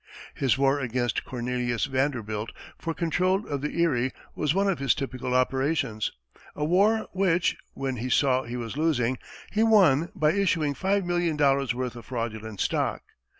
His war against Cornelius Vanderbilt for control of the Erie was one of his typical operations a war which, when he saw he was losing, he won by issuing $5,000,000 worth of fraudulent stock.